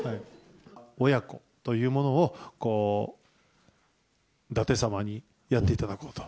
親子というものをだて様にやっていただこうと。